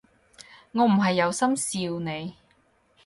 我唔係有心笑你